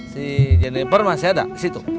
di jennifer masih ada di situ